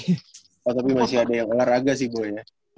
oh tapi masih ada yang olahraga sih gue ya